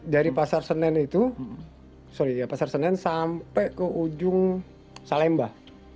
dari pasar senen itu sorry ya pasar senen sampai ke ujung salemba